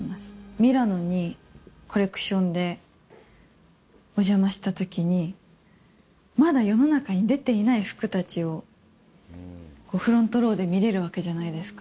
ミラノにコレクションでお邪魔したときに、まだ世の中に出ていない服たちを、フロントロウで見れるわけじゃないですか。